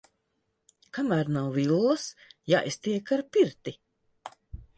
Kamēr nav villas, jāiztiek ar pirti.